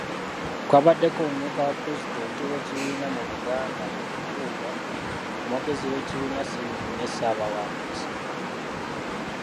Kwabaddeko, omumyuka wa Pulezidenti w’ekibiina mu Buganda Mpuuga, Omwogezi w’ekibiina Ssenyonyi ne Ssaabawandiisi.